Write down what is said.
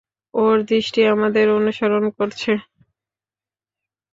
ওর দৃষ্টি আমাদের অনুসরণ করছে।